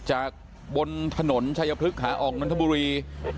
จากบนถนนชายพฤกษ์หาออกน้นทบุรี